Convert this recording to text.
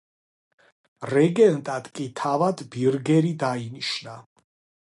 რეგენტად კი თავად ბირგერი დაინიშნა.